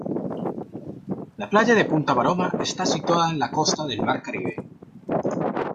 La playa de Punta Maroma está situada en la costa del Mar Caribe.